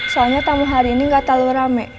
soalnya tamu hari ini nggak terlalu rame